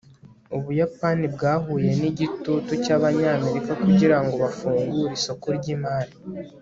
ubuyapani bwahuye nigitutu cyabanyamerika kugirango bafungure isoko ryimari